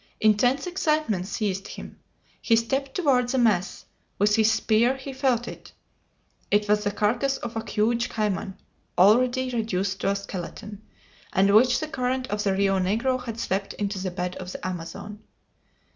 Intense excitement seized him. He stepped toward the mass; with his spear he felt it. It was the carcass of a huge cayman, already reduced to a skeleton, and which the current of the Rio Negro had swept into the bed of the Amazon.